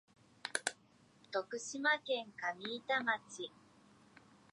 徳島県上板町